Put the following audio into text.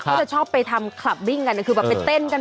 เขาจะชอบไปทำคลับวิ่งกันคือแบบไปเต้นกัน